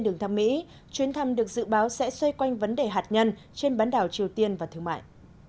đường thăm mỹ chuyến thăm được dự báo sẽ xoay quanh vấn đề hạt nhân trên bán đảo triều tiên và thương mại